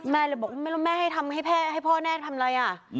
เลยบอกว่าไม่รู้แม่ให้ทำให้พ่อแม่ทำอะไรอ่ะ